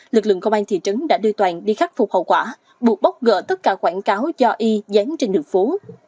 lực lượng công an thị trấn đã đưa toàn đi khắc phục hậu quả buộc bóc gỡ tất cả quảng cáo do y dán trên đường phố